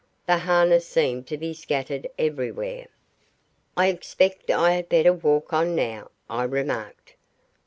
The harness seemed to be scattered everywhere. "I expect I had better walk on now," I remarked.